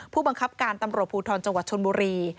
ผู้บังคับการตำรวจภูทรจังหวัดชนบุรี